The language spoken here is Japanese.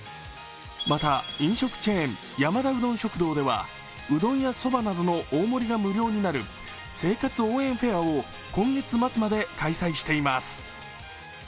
また、飲食チェーン、山田うどん食堂ではうどんやそばなどの大盛りが無料になる生活応援フェアを今月末まで開催しています。